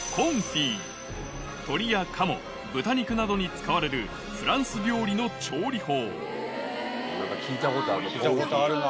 鶏や鴨豚肉などに使われるフランス料理の調理法聞いたことあるな。